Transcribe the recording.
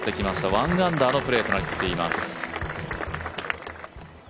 １アンダーのプレーとなっています